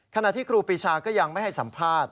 ขณะที่ครูปีชาก็ยังไม่ให้สัมภาษณ์